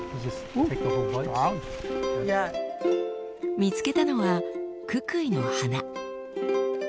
見つけたのはククイの花。